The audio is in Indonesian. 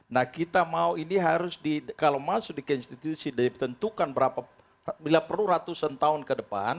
nah kita mau ini harus kalau masuk di konstitusi dan ditentukan berapa bila perlu ratusan tahun ke depan